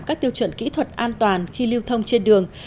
các tiêu chuẩn kỹ thuật an toàn khi lưu thông trên đường